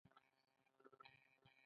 د انګورو د تاکونو ترمنځ سبزیجات وکرم؟